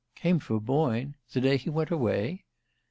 "Came for Boyne? The day he went away?"